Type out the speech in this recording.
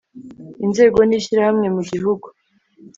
Inzego ni ishyirahamwe mugihugu